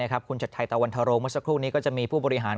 คุณชัดชัยตะวันทโรเมื่อสักครู่นี้ก็จะมีผู้บริหาร